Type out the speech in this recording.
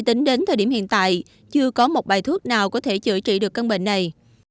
tính đến thời điểm hiện tại chưa có một bài thuốc nào có thể chữa trị được căn bệnh này